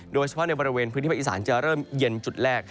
โดยเฉพาะในบริเวณพื้นที่ภาคอีสานจะเริ่มเย็นจุดแรก